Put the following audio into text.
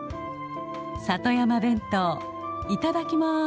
里山弁当いただきます！